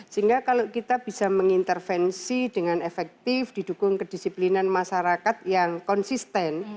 sehingga kalau kita bisa mengintervensi dengan efektif didukung kedisiplinan masyarakat yang konsisten